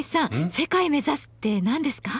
世界目指すって何ですか？